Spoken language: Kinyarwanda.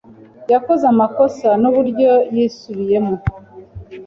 Yakoze amakosa n’uburyo yisubiyemo